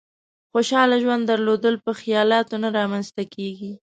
خوشحاله ژوند درلودل په خيالاتو نه رامېنځ ته کېږي.